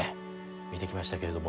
見てきましたけれども。